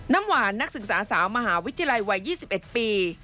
น้ำหวานนักศึกษาสาวมหาวิทยาลัยวัย๒๑ปี